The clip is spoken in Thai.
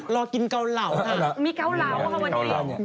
รอกินเกาเหลาค่ะมีเกาเหลาค่ะวันนี้